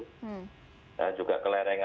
nah juga kelerengan